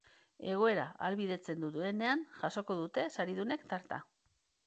Egoerak ahalbidetzen duenean jasoko dute saridunek tarta.